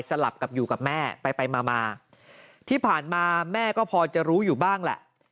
ลับกับอยู่กับแม่ไปไปมามาที่ผ่านมาแม่ก็พอจะรู้อยู่บ้างแหละ